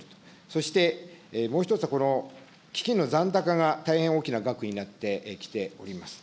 そしてもう１つはこの基金の残高が大変大きな額になってきております。